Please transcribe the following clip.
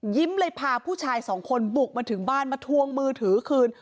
เลยพาผู้ชายสองคนบุกมาถึงบ้านมาทวงมือถือคืน